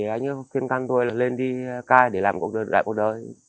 anh ấy kiên căn thôi là lên đi cai để làm cuộc đời đại cuộc đời